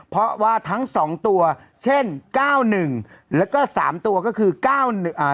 เพราะว่าทั้งสองตัวเช่นเก้าหนึ่งแล้วก็สามตัวก็คือเก้าอ่า